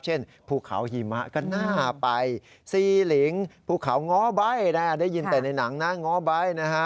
ภูเขาหิมะก็น่าไปซีลิงภูเขาง้อใบได้ยินแต่ในหนังหน้าง้อใบนะฮะ